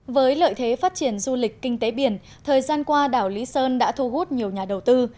với lợi thế phát triển du lịch kinh tế biển thời gian qua đảo lý sơn đã thu hút nhiều nhà đầu tư